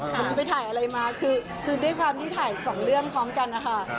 วันนี้ไปถ่ายอะไรมาคือด้วยความที่ถ่ายสองเรื่องพร้อมกันนะคะ